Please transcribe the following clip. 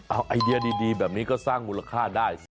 เอาไอเดียดีแบบนี้ก็สร้างมูลค่าได้